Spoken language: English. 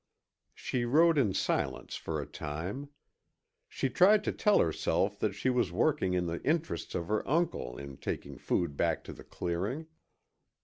She rode in silence for a time. She tried to tell herself that she was working in the interests of her uncle in taking food back to the clearing.